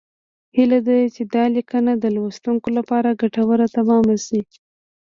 هیله ده چې دا لیکنه د لوستونکو لپاره ګټوره تمامه شي